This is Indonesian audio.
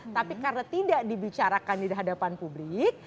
tapi karena tidak dibicarakan di hadapan publik